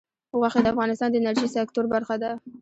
غوښې د افغانستان د انرژۍ سکتور برخه ده.